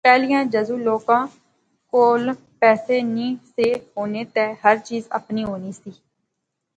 پہلیاں جذوں لوکاں کول پیسے نی سی ہونے تے ہر چیز آپنی ہونی سی